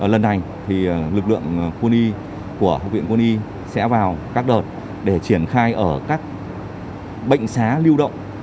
lần này thì lực lượng quân y của học viện quân y sẽ vào các đợt để triển khai ở các bệnh xá lưu động